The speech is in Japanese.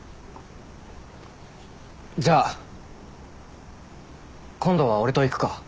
じゃあ今度は俺と行くか？